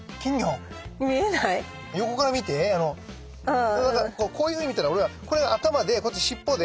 横から見てこういうふうに見たらこれが頭でこっち尻尾で。